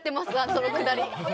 そのくだり。